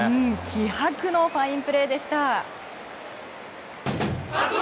気迫のファインプレーでした。